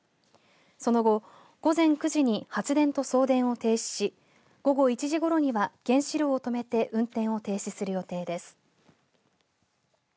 その後、午前９時に発電と送電を停止し、午後１時頃には原子炉を止めて運転を停止する予定です。